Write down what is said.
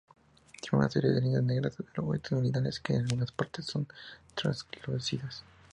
Tiene una serie de líneas negras longitudinales, que en algunas partes son translúcidas.